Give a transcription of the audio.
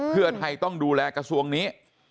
เพื่อไทยต้องดูแลกระทรวงนี้